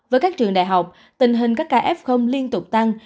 với các trường đại học tình hình các ca f liên tục tăng